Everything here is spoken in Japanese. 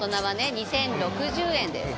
２０６０円です。